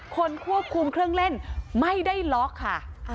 คนควบคุมเครื่องเล่นไม่ได้ล็อกค่ะ